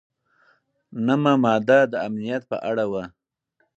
نهمه ماده د امنیت په اړه وه.